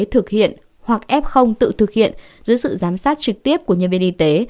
thực hiện hoặc f tự thực hiện dưới sự giám sát trực tiếp của nhân viên y tế